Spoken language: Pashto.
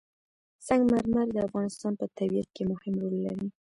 سنگ مرمر د افغانستان په طبیعت کې مهم رول لري.